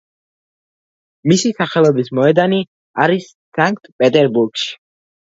მისი სახელობის მოედანი არის სანქტ-პეტერბურგში.